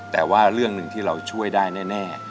แต่ว่าเรื่องหนึ่งที่เราช่วยได้แน่